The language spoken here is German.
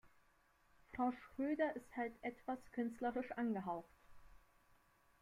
Frau Schröder ist halt etwas künstlerisch angehaucht.